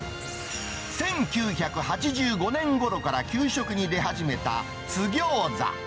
１９８５年ごろから給食に出始めた津ぎょうざ。